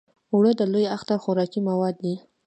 اوړه د لوی اختر خوراکي مواد دي